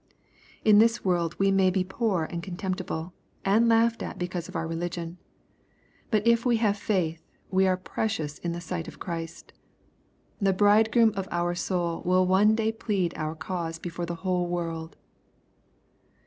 In this worid we may be poor and contemptible, and laughed at because of our reli* / 166 EXPOSITORY THOUGHTS. gion. But if we have faith, we are precious in the sight of Christ. The Bridegroom of our soul will one day plead our cause hefore the whole world.